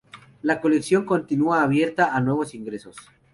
La colección continua abierta a nuevos ingresos.